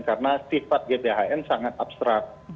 karena sifat gbhn sangat abstrak